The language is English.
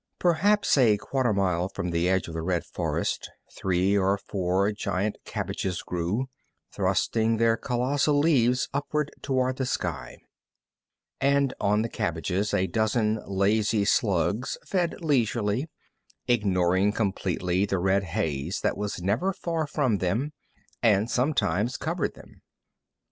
Perhaps a quarter mile from the edge of the red forest three or four giant cabbages grew, thrusting their colossal leaves upward toward the sky. And on the cabbages a dozen lazy slugs fed leisurely, ignoring completely the red haze that was never far from them and sometimes covered them.